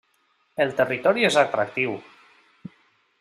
El territori és atractiu.